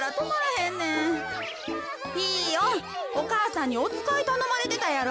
ピーヨンお母さんにおつかいたのまれてたやろ。